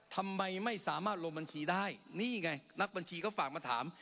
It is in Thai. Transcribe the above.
ทำไมไม่สามารถลงบัญชีได้นี่ไงนักบัญชีเขาฝากมาถาม